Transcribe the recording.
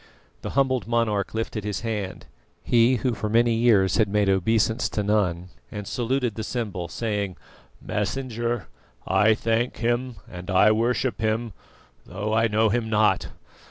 The humbled monarch lifted his hand he who for many years had made obeisance to none and saluted the symbol, saying: "Messenger, I thank Him and I worship Him, though I know Him not.